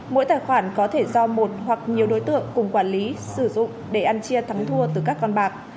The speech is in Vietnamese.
mỗi tài khoản có thể do một hoặc nhiều đối tượng cùng quản lý sử dụng để ăn chia thắng thua từ các con bạc